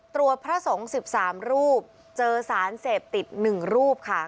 พระสงฆ์๑๓รูปเจอสารเสพติด๑รูปค่ะ